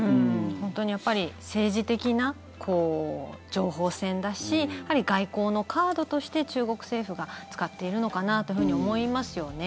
本当に政治的な情報戦だしやはり外交のカードとして中国政府が使っているのかなと思いますよね。